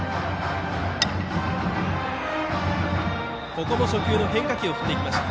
ここも初球の変化球を振っていきました。